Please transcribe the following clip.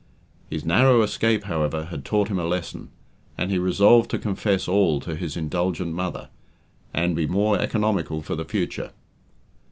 His narrow escape, however, had taught him a lesson, and he resolved to confess all to his indulgent mother, and be more economical for the future.